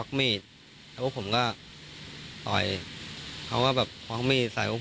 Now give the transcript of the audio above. ใช่เหมือนรู้สักคนก็พี่แล้ว